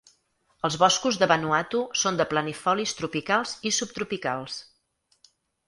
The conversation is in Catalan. Els boscos de Vanuatu són de planifolis tropicals i subtropicals.